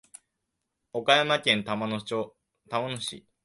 岡山県玉野市